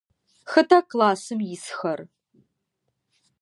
Хэта классым исхэр?